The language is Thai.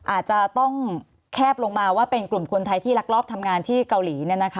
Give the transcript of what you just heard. อาจจะต้องแคบลงมาว่าเป็นกลุ่มคนไทยที่รักรอบทำงานที่เกาหลี